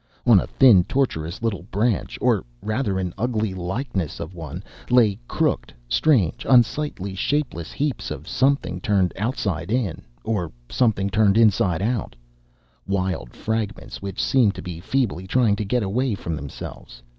On a thin tortuous little branch, or rather an ugly likeness of one, lay crooked, strange, unsightly, shapeless heaps of something turned outside in, or something turned inside out wild fragments which seemed to be feebly trying to get away from themselves.